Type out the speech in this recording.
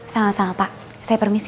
sama sama pak saya permisi